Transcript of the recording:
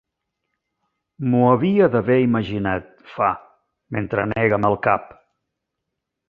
M'ho havia d'haver imaginat —fa, mentre nega amb el cap—.